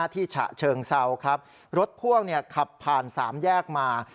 ฉะเชิงเซาครับรถพ่วงขับผ่านสามแยกมา